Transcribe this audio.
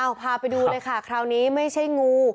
เอาพาไปดูเลยค่ะคราวนี้ไม่ใช่งู